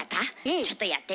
ちょっとやってみて。